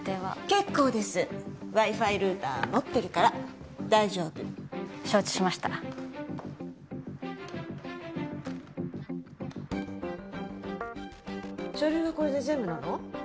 結構ですＷｉ−Ｆｉルーター持ってるから大丈夫承知しました書類はこれで全部なの？